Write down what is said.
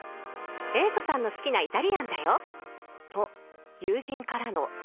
Ａ子さんの好きなイタリアンだよ」と友人からの甘い誘惑。